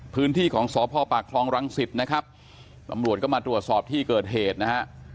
พื้นที่ของสพปากคลองรังสิตนะครับตำรวจก็มาตรวจสอบที่เกิดเหตุนะฮะ